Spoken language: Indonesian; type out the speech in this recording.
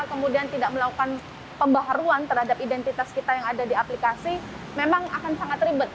kemudian tidak melakukan pembaharuan terhadap identitas kita yang ada di aplikasi memang akan sangat ribet